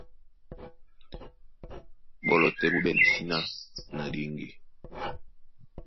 Ɓɔ́lɔ tɛ́ ɓó ɓɛ̂n síná na ndéŋgé.